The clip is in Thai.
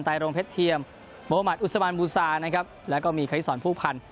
ไตรงเพชรเทียมมหมัดอุสมันบูซานะครับแล้วก็มีคลิสรภูมิพันธ์